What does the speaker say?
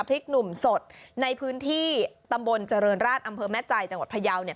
พริกหนุ่มสดในพื้นที่ตำบลเจริญราชอำเภอแม่ใจจังหวัดพยาวเนี่ย